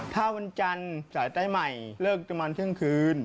ถ้าวันจันทร์สายใต้ใหม่เลิกประมาณเที่ยงคืน